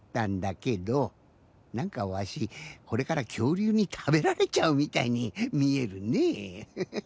なんかわしこれからきょうりゅうにたべられちゃうみたいにみえるねフフ。